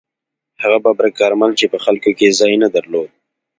هغه ببرک کارمل چې په خلکو کې ځای نه درلود.